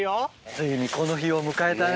ついにこの日を迎えたね。